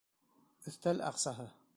«Өҫтәл аҡсаһы».